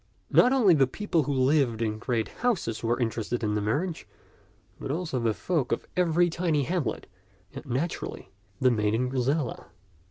Not only the people who lived in great houses were interested in the marriage, but also the folk of every tiny hamlet, and naturally the maiden Griselda.